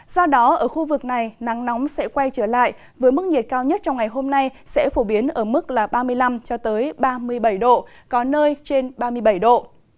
do đó ở khu vực này nắng nóng sẽ quay trở lại với mức nhiệt cao nhất trong ngày hôm nay sẽ phổ biến ở mức ba mươi năm ba mươi bảy độ có nơi trên ba mươi bảy độ